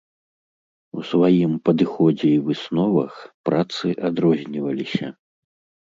У сваім падыходзе і высновах працы адрозніваліся.